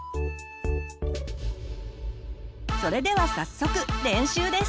それでは早速練習です。